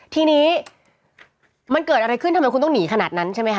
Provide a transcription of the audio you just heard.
ทีนี้มันเกิดอะไรขึ้นทำไมคุณต้องหนีขนาดนั้นใช่ไหมคะ